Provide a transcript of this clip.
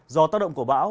do tác động của bão